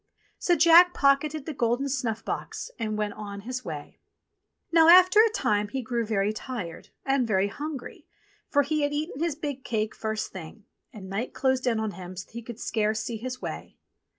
So Jack pocketed the golden snuff box and went on his way. Now, after a time, he grew very tired, and very hungry, for he had eaten his big cake first thing, and night closed in on him so that he could scarce see his way.